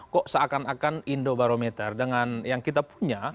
kok seakan akan indobarometer dengan yang kita punya